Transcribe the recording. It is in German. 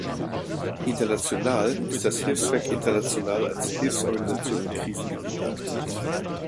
International ist das Hilfswerk International als Hilfsorganisation in Krisengebieten aktiv.